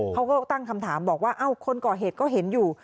เขาก็ตั้งคำถามบอกว่าเอ้าคนก่อเหตุก็เห็นอยู่